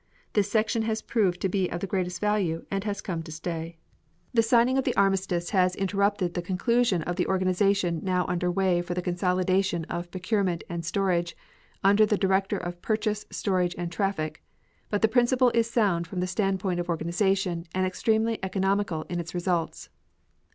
This section has proved to be of the greatest value and has come to stay. The signing of the armistice has interrupted the conclusion of the organization now under way for the consolidation of Procurement and Storage under the Director of Purchase, Storage, and Traffic, but the principle is sound from the standpoint of organization and extremely economical in its results.